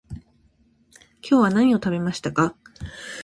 今日は何を食べましたか？